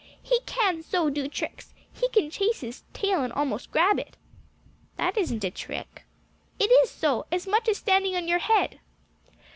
"He can so do tricks! He can chase his tail and almost grab it." "That isn't a trick." "It is so as much as standing on your head."